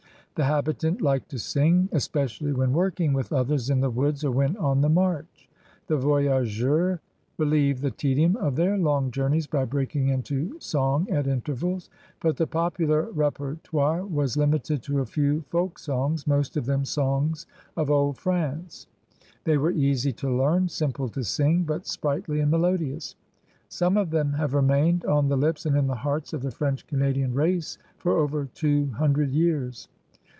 The habitant liked to sing, especially when work ing with others in the woods or when on the march. The voyageurs relieved the tedium of their long journeys by breaking into song at intervals. But the popular repertoire was limited to a few folk songs, most of them songs of Old France. They were easy to learn, simple to sing, but sprightly and melodious. Some of them have remained on the lips and in the hearts of the French Canadian race for over two himdred years.